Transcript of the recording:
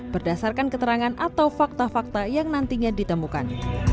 berdasarkan keterangan atau fakta fakta yang nantinya ditemukan